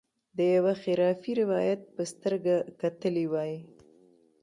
د یوه خرافي روایت په سترګه کتلي وای.